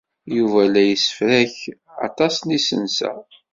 Yuba la yessefrak aṭas n yisensa.